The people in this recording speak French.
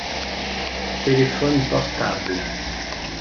Téléphone portable.